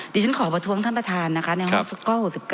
ดิฉันขอประท้วงท่านประธานนะคะใน๖๙๖๙